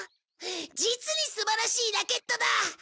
実に素晴らしいラケットだ！